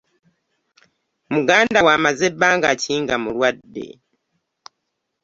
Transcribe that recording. Muganda wo amaze banga ki nga mulwade?